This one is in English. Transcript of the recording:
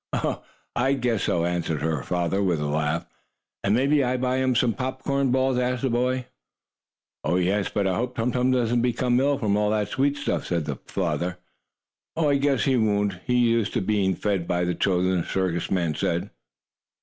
"I guess so," answered her papa, with a laugh. "And may I buy him some popcorn balls?" asked the boy. "Oh, yes, but I hope Tum Tum doesn't become ill from all that sweet stuff," said the papa. "Oh, I guess he won't he's used to being fed by the children," the circus man said.